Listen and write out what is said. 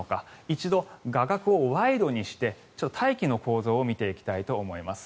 一度、画角をワイドにして大気の構造を見ていきたいと思います。